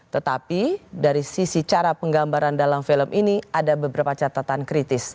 tetapi dari sisi cara penggambaran dalam film ini ada beberapa catatan kritis